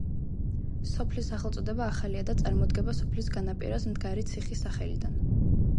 სოფლის სახელწოდება ახალია და წარმოდგება სოფლის განაპირას მდგარი ციხის სახელიდან.